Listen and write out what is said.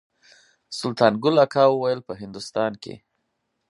سلطان ګل اکا ویل په هندوستان کې.